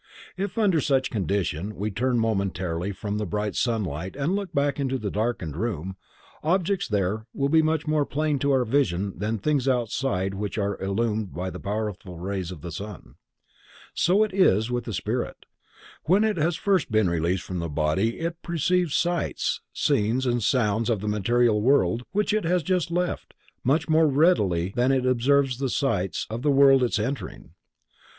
If under such a condition we turn momentarily from the bright sunlight and look back into the darkened room, objects there will be much more plain to our vision than things outside which are illumined by the powerful rays of the sun. So it is also with the spirit, when it has first been released from the body it perceives sights, scenes and sounds of the material world, which it has just left, much more readily than it observes the sights of the world it is entering.